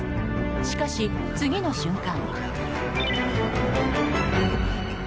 しかし、次の瞬間。